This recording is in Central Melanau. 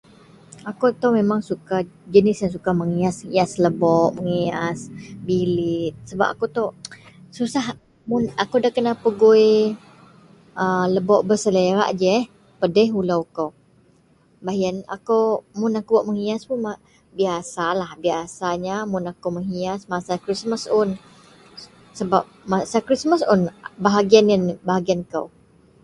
Ako ito memeng duka menghias menghias-hias lebok wak penghias bilek sebab akou tou susah akou da kena pegui lebok berselerak ji pedeh ulo kou beh iyen akou mun akou menghias biyasa a menghias musim krismas un sebab bahagian iyen bahagian krismas un bahaginn kuo.